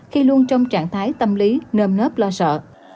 khi luôn trong trạng thái tâm lý nơm nớp lo sợ